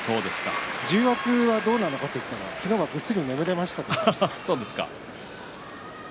重圧はどうなのかと聞いたら昨日はぐっすり眠れましたと言っていました。